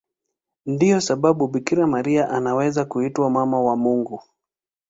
Ndiyo sababu Bikira Maria anaweza kuitwa Mama wa Mungu.